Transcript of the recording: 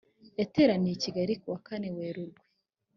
yateraniye i kigali ku wa kane werurwe